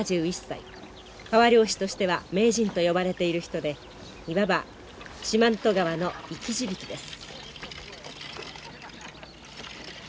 川漁師としては名人と呼ばれている人でいわば四万十川の生き字引です。